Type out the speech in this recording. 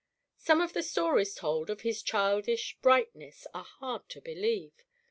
Some of the stories told of his childish brightness are hard to believe.